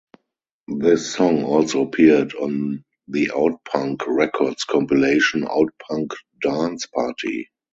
This song also appeared on the Outpunk Records compilation, "Outpunk Dance Party".